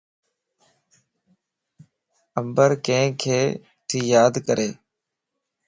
عمبر ڪينک تي ياد ڪري؟